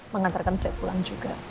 mengantarkan saya pulang juga